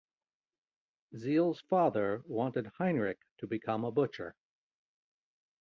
Zille's father wanted Heinrich to become a butcher.